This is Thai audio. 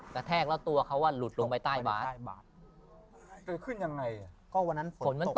กระแทกแล้วตัวหลุดลงไปบรรท่ายบภาษณ์